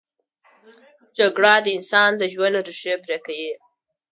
جګړه د انسان د ژوند ریښې پرې کوي